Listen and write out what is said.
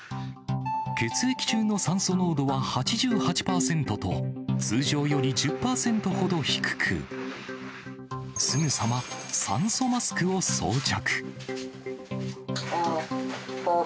血液中の酸素濃度は８８％と、通常より１０％ほど低く、すぐさま酸素マスクを装着。